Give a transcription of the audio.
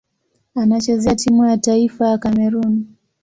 Anachezea timu ya taifa ya Kamerun.